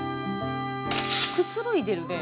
「くつろいでるね」